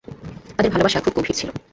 তাদের ভালোবাসা খুব গভীর ছিল।